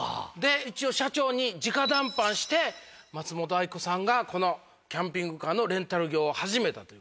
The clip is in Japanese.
一応社長に直談判して松本明子さんがキャンピングカーのレンタル業を始めたと。